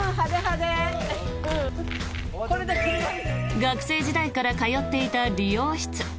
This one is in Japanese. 学生時代から通っていた理容室。